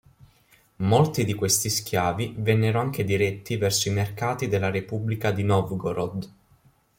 Molti di questi schiavi vennero anche diretti verso i mercati della Repubblica di Novgorod.